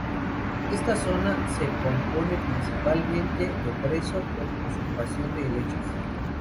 Esta zona se compone principalmente de brezo con usurpación de helechos.